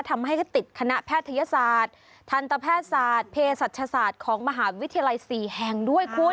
ทำให้ติดคณะแพทยศาสตร์ทันตแพทย์ศาสตร์เพศรัชศาสตร์ของมหาวิทยาลัย๔แห่งด้วยคุณ